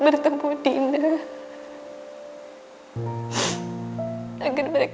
dia semua sangat keras